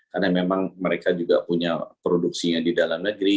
karena memang mereka juga punya produksinya di dalam negeri